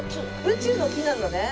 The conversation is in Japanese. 宇宙の木なんだね。